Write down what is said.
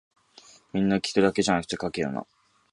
皆聞くだけじゃなくて書けよな